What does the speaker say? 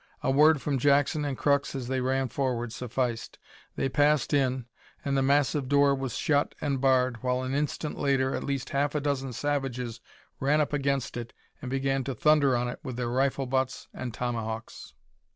A word from Jackson and Crux as they ran forward sufficed. They passed in and the massive door was shut and barred, while an instant later at least half a dozen savages ran up against it and began to thunder on it with their rifle butts and tomahawks.